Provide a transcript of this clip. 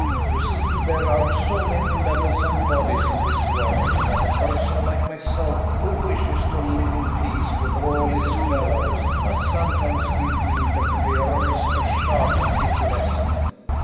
You see there are so many meddlesome bodies in this world that a person like myself, who wishes to live in peace with all his fellows, must sometimes give the interferers a sharp bit lesson."